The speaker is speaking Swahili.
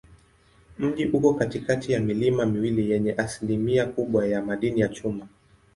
Mji uko katikati ya milima miwili yenye asilimia kubwa ya madini ya chuma.